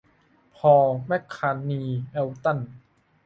พอล แมคคาร์ทนีย์ เอลตัน